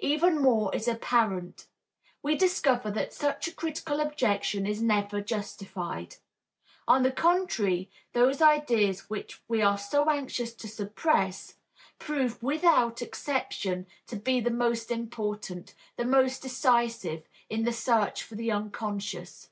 Even more is apparent. We discover that such a critical objection is never justified. On the contrary, those ideas which we are so anxious to suppress, prove without exception to be the most important, the most decisive, in the search for the unconscious.